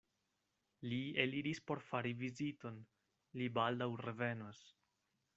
Li eliris por fari viziton: li baldaŭ revenos.